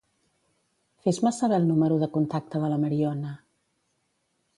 Fes-me saber el número de contacte de la Mariona.